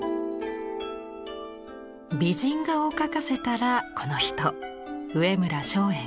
美人画を描かせたらこの人上村松園。